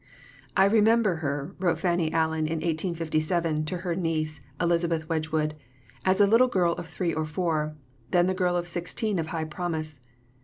"I remember her," wrote Fanny Allen in 1857 to her niece Elizabeth Wedgwood, "as a little girl of three or four, then the girl of sixteen of high promise.